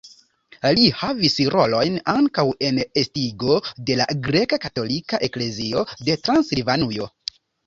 Li havis rolojn ankaŭ en la estigo de la greka katolika eklezio de Transilvanujo.